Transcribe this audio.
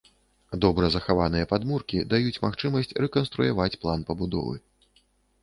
Добра захаваныя падмуркі даюць магчымасць рэканструяваць план пабудовы.